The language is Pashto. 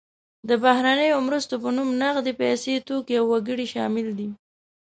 د بهرنیو مرستو په نوم نغدې پیسې، توکي او وګړي شامل دي.